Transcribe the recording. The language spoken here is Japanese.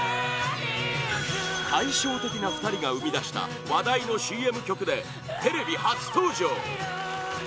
対照的な２人が生み出した話題のＣＭ曲でテレビ初登場！